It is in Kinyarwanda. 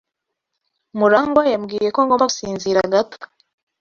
Murangwa yambwiye ko ngomba gusinzira gato.